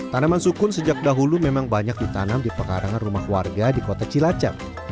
tanaman sukun sejak dahulu memang banyak ditanam di pekarangan rumah warga di kota cilacap